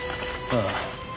ああ。